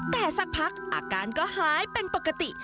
แต่สักพักอาการก็หายเป็นปกติ